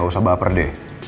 gak usah baper deh